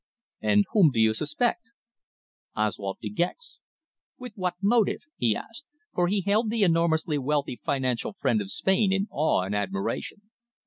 "And whom do you suspect?" "Oswald De Gex." "With what motive?" he asked, for he held the enormously wealthy financial friend of Spain in awe and admiration.